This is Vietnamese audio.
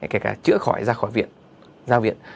kể cả chữa khỏi ra khỏi viện ra viện